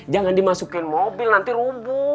jangan dimasukin mobil nanti rubuh